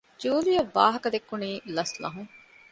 ޖޫލީއަށް ވާހަކަދެއްކުނީ ލަސްލަހުން